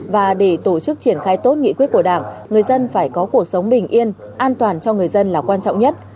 và để tổ chức triển khai tốt nghị quyết của đảng người dân phải có cuộc sống bình yên an toàn cho người dân là quan trọng nhất